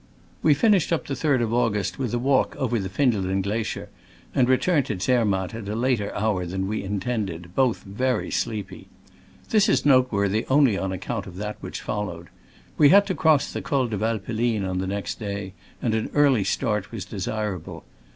We finished up the 3d of August with a walk over the Findel en glacier, and return ed to Zermatt at a later hour than we intend ed, both very sleepy. This is noteworthy only on account of that which followed. We had to cross the Col de Valpelline on the next day, and an early start was desira ble.